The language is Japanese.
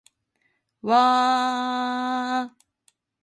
わーーーーーーーー